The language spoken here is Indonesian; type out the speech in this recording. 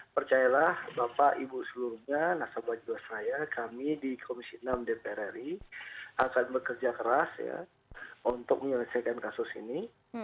percayalah bapak ibu seluruhnya nasabah jiwasraya kami di komisi enam dpr ri akan bekerja keras untuk menyelesaikan kasus ini